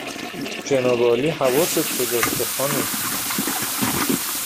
جنابعالی حواست کجاست که خانم